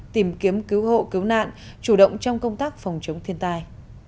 tìm kiếm cứu hộ cứu nạn chủ động trong công tác phòng chống thiên tai